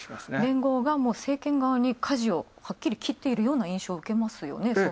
連合が政権側にかじをはっきり切っているような印象を受けますよね。